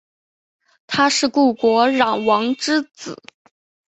他是故国壤王之子。